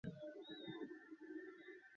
' বাকিটা অব্যক্ত রেখেই তাকিয়ে রইলেন মেয়ের দিকে।